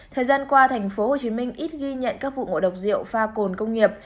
thời gian qua tp hcm ít ghi nhận các vụ ngộ độc rượu pha cồn công nghiệp